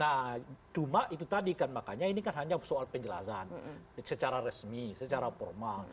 nah cuma itu tadi kan makanya ini kan hanya soal penjelasan secara resmi secara formal